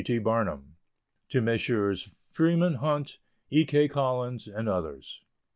T. BARNUM. To Messrs. FREEMAN HUNT, E. K. COLLINS, and others.